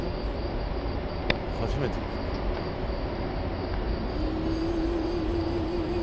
初めて聞く名前だ。